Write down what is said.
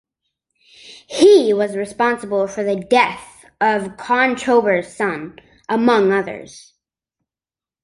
He was responsible for the death of Conchobar's son, among others.